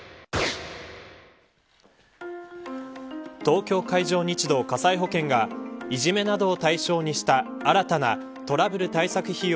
東京海上日動火災保険がいじめなどを対象にした新たなトラブル対策費用